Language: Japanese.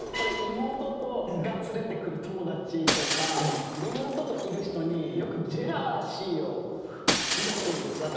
妹が連れてくる友達とか妹といる人によくジェラシーを抱くんです私。